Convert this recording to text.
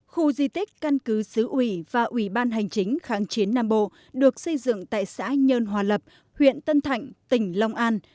khu di tích căn cứ xứ ủy và ủy ban hành chính kháng chiến nam bộ được xây dựng tại xã nhơn hòa lập huyện tân thạnh tỉnh long an